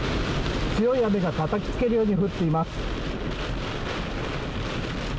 強い雨がたたきつけるように降っています。